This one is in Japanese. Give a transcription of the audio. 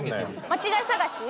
間違い探し？